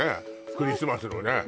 クリスマスのね